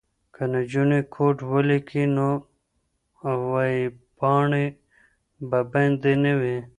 که نجونې کوډ ولیکي نو ویبپاڼې به بندې نه وي.